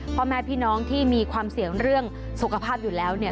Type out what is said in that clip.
พ่อแม่พี่น้องที่มีความเสี่ยงเรื่องสุขภาพอยู่แล้วเนี่ย